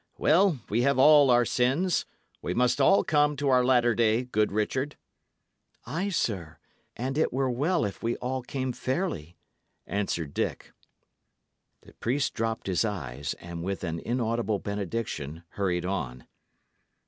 "Well, we have all our sins. We must all come to our latter day, good Richard." "Ay, sir; and it were well if we all came fairly," answered Dick. The priest dropped his eyes, and with an inaudible benediction hurried on.